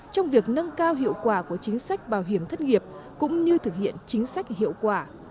trong việc nâng cao hiệu quả của chính sách bảo hiểm thất nghiệp cũng như thực hiện chính sách hiệu quả